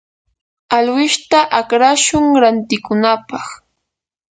alwishta akrashun rantikunapaq.